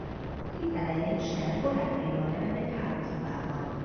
A klip elején Cher barátaival nevet egy hálószobában.